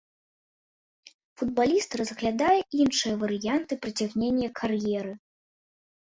Футбаліст разглядае іншыя варыянты працягнення кар'еры.